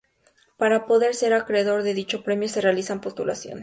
Para poder ser acreedor de dicho premio se realizan postulaciones.